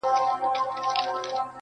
o تر يو خروار زرو، يوه ذره عقل ښه دئ٫